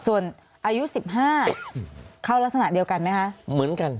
ส่วนอายุ๑๕เข้ารัสระเดียวกันไหมคะ